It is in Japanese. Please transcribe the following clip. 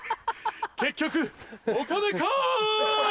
結局お金かい！